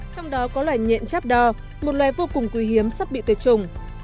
trong đó có loài nhện cháp đo một loài vô cùng quý hiếm sắp bị tuyệt trùng